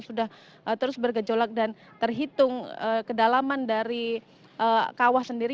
sudah terus bergejolak dan terhitung kedalaman dari kawah sendiri